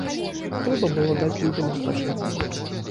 Трэба ж было даць людзям адпачыць.